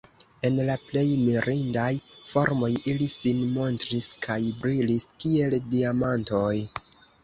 En la plej mirindaj formoj ili sin montris kaj brilis kiel diamantoj.